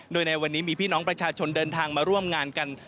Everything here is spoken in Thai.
โดยในวันนี้มีพี่น้องประชาชนเดินทางมาร่วมงานกัน